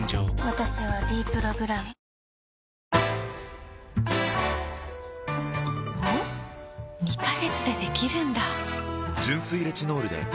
私は「ｄプログラム」おっ？２カ月でできるんだ！